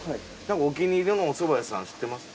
お気に入りのおそば屋さん知ってます？